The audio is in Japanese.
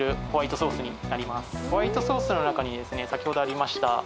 ホワイトソースの中に先ほどありました